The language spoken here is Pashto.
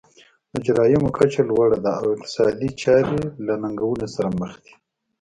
د جرایمو کچه لوړه ده او اقتصادي چارې له ننګونو سره مخ دي.